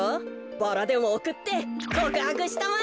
バラでもおくってこくはくしたまえ。